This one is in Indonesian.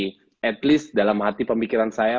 setidaknya dalam hati pemikiran saya